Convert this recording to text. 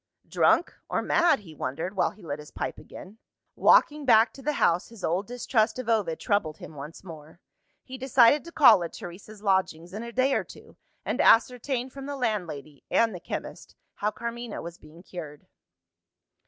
"Drunk or mad?" he wondered while he lit his pipe again. Walking back to the house, his old distrust of Ovid troubled him once more. He decided to call at Teresa's lodgings in a day or two, and ascertain from the landlady (and the chemist) how Carmina was being cured.